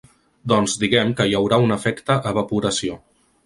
Doncs diguem que hi haurà un efecte evaporació.